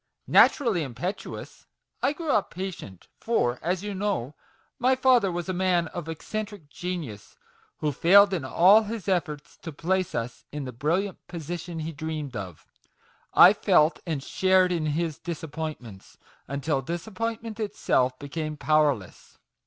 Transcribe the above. Naturally impetuous, I grew up patient ; for, as you know, my father was a man of eccentric genius, who failed in all his efforts to place us in the brilliant position he dreamed of. I felt and shared in his disappointments, until disap pointment itself became powerless